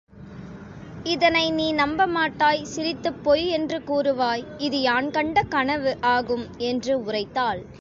இதனை நீ நம்பமாட்டாய் சிரித்துப் பொய் என்று கூறுவாய் இது யான் கண்ட கனவு ஆகும் என்று உரைத்தாள்.